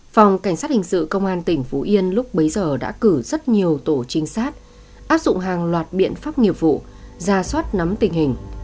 phòng cảnh sát hình sự công an tỉnh phú yên lúc bấy giờ đã cử rất nhiều tổ trinh sát áp dụng hàng loạt biện pháp nghiệp vụ ra soát nắm tình hình